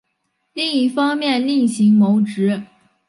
另一方面另行谋职